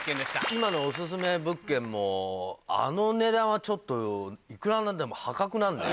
今のオススメ物件もあの値段はちょっといくら何でも破格なんで。